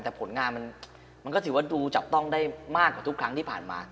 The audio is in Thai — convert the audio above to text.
แต่ผลงานมันก็ถือว่าดูจับต้องได้มากกว่าทุกครั้งที่ผ่านมา